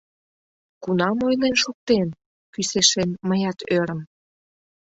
— Кунам ойлен шуктен? — кӱсешем мыят ӧрым.